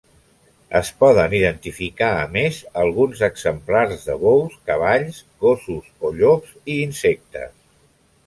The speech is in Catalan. Es poden identificar, a més, alguns exemplars de bous, cavalls, gossos o llops i insectes.